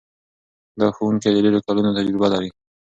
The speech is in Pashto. دا ښوونکی د ډېرو کلونو تجربه لري.